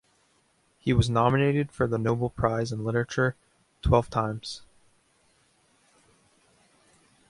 He was nominated for the Nobel prize in literature twelve times.